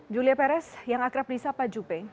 julia perez yang akrab di sapa jupe